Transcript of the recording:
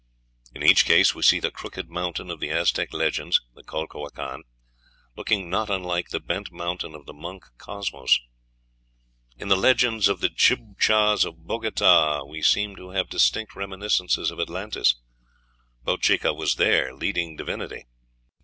In each case we see the crooked mountain of the Aztec legends, the Calhuacan, looking not unlike the bent mountain of the monk, Cosmos. In the legends of the Chibchas of Bogota we seem to have distinct reminiscences of Atlantis. Bochica was their leading divinity.